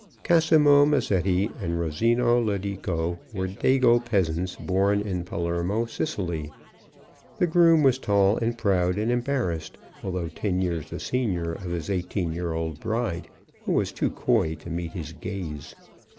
Casimo Mazzette and Rosino Lodico were dago peasants, born in Palermo, Sicily. The groom was tall and proud and embarrassed, although ten years the senior of his eighteen year old bride, who was too coy to meet his gaze.